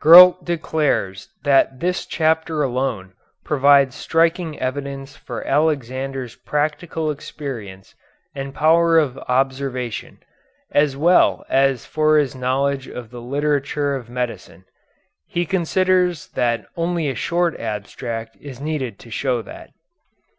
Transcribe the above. Gurlt declares that this chapter alone provides striking evidence for Alexander's practical experience and power of observation, as well as for his knowledge of the literature of medicine. He considers that only a short abstract is needed to show that.